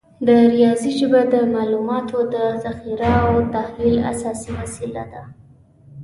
د ریاضي ژبه د معلوماتو د ذخیره او تحلیل اساسي وسیله ده.